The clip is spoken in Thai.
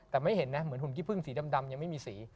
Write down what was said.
แต่ไม่เห็นนะเหมือนหุ่นขี้พึ่งสีดำยังไม่มีสี